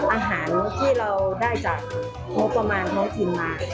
อาหารที่เราได้จากงบประมาณท้องถิ่นมา